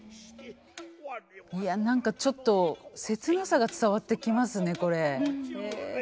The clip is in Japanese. いや何かちょっと切なさが伝わってきますねこれ。